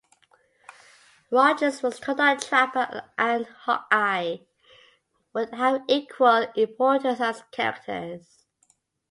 Rogers was told that Trapper and Hawkeye would have equal importance as characters.